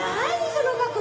その格好。